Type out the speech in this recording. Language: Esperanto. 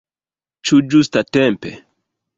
Ĉu ĝustatempe?